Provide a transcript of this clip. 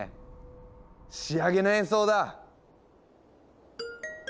仕上げの演奏だ！